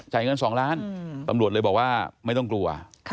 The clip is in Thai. เงิน๒ล้านตำรวจเลยบอกว่าไม่ต้องกลัว